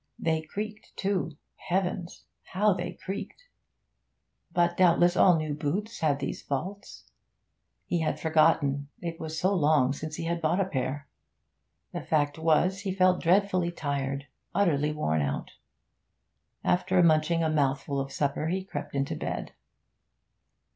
They creaked too: heavens! how they creaked! But doubtless all new boots had these faults; he had forgotten; it was so long since he had bought a pair. The fact was, he felt dreadfully tired, utterly worn out. After munching a mouthful of supper he crept into bed.